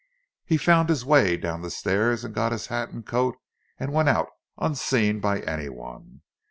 He found his way down the stairs, and got his hat and coat, and went out, unseen by anyone.